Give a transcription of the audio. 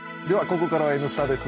ここからは「Ｎスタ」です。